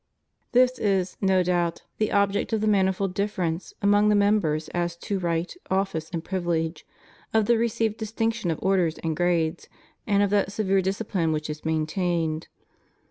This is, no doubt, the object of the manifold difference among the members as to right, office, and privilege — of the received distinction of orders and grades, and of that severe disciphne wliich is main twined.